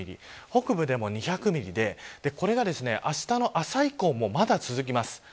北部でも２００ミリでこれがあしたの朝以降もまだ続きます。